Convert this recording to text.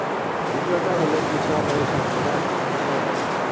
দ্বিতীয়টা হলো, কিছু আলো এই স্বচ্ছ কাচ শোষণ করে নেয়।